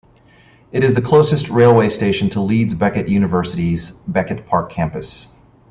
It is the closest railway station to Leeds Beckett University's Beckett Park campus.